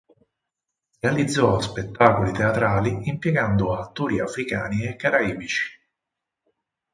Realizzò spettacoli teatrali impiegando attori africani e caraibici.